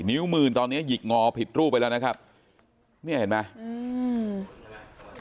นิ้วมือตอนเนี้ยหยิกงอผิดรูปไปแล้วนะครับเนี่ยเห็นไหมอืม